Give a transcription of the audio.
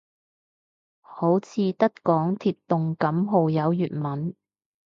好似得港鐵動感號有粵文